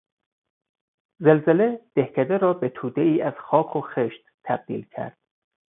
زلزله دهکده را به تودهای از خاک و خشت تبدیل کرد.